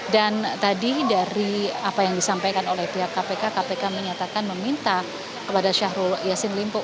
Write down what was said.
dan tadi dari apa yang disampaikan oleh pihak kpk kpk menyatakan meminta kepada syahrul yasin limpo